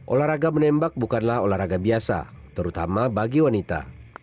olahraga menembak bukanlah olahraga biasa terutama bagi wanita